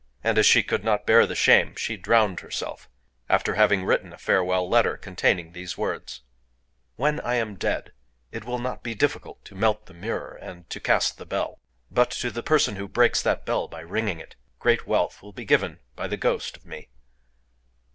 And as she could not bear the shame, she drowned herself, after having written a farewell letter containing these words:— "When I am dead, it will not be difficult to melt the mirror and to cast the bell. But, to the person who breaks that bell by ringing it, great wealth will be given by the ghost of me."